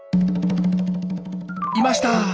いました！